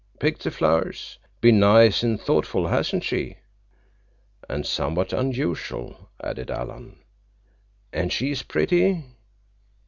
Picked the flowers. Been nice an' thoughtful, hasn't she?" "And somewhat unusual," added Alan. "And she is pretty."